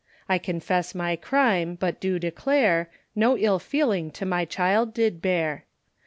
I confess my crime, but do declare, No ill feeling to my child did bear.